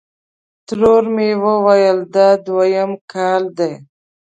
ترور مې ویل: دا دویم کال دی.